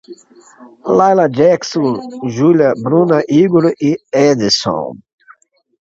Laila, Jakson, Julha, Bruna, Igor e Adson